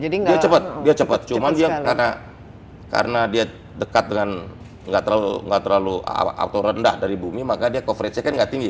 dia cepat dia cepat cuma dia karena dia dekat dengan nggak terlalu atau rendah dari bumi maka dia coverage nya kan gak tinggi